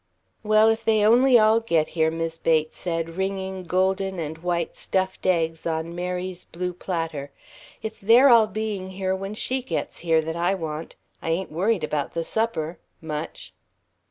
"Well, if they only all get here," Mis' Bates said, ringing golden and white stuffed eggs on Mary's blue platter; "it's their all being here when she gets here that I want. I ain't worried about the supper much."